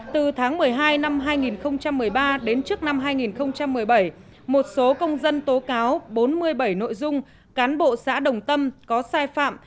từ tháng một mươi hai năm hai nghìn một mươi ba đến trước năm hai nghìn một mươi bảy một số công dân tố cáo bốn mươi bảy nội dung cán bộ xã đồng tâm có sai phạm